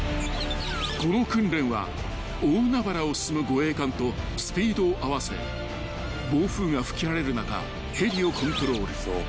［この訓練は大海原を進む護衛艦とスピードを合わせ暴風が吹き荒れる中ヘリをコントロール］